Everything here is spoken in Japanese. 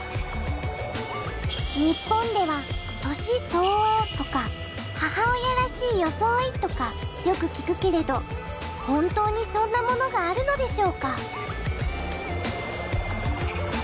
日本では年相応とか母親らしいよそおいとかよく聞くけれど本当にそんなものがあるのでしょうか？